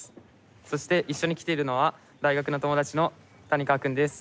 そして、一緒に来ているのは大学の友達の谷川君です。